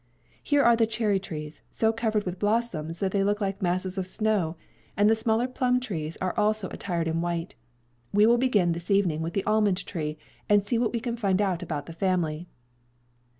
Here are the cherry trees, so covered with blossoms that they look like masses of snow; and the smaller plum trees are also attired in white. We will begin this evening with the almond tree, and see what we can find out about the family."